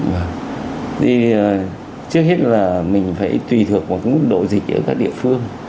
vâng thì trước hết là mình phải tùy thuộc vào cái mức độ dịch ở các địa phương